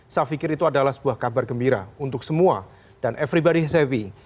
saya pikir itu adalah sebuah kabar gembira untuk semua dan everybody havi